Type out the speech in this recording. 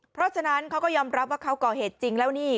เพราะฉะนั้นเขาก็ยอมรับว่าเขาก่อเหตุจริงแล้วนี่